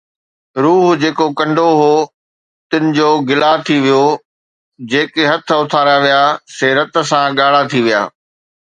روح جيڪو ڪُنڊو هو، تن جو گلا ٿي ويو، جيڪي هٿ اٿاريا ويا سي رت سان ڳاڙها ٿي ويا